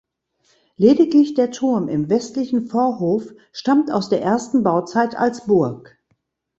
Lediglich der Turm im westlichen Vorhof stammt aus der ersten Bauzeit als Burg.